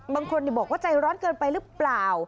บางคนบอกว่าใจร้อนเกินไปหรือเปล่า